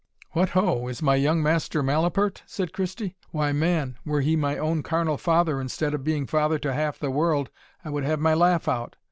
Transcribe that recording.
"What, ho! is my young master malapert?" said Christie; "why, man, were he my own carnal father, instead of being father to half the world, I would have my laugh out.